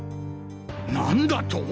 何だと！？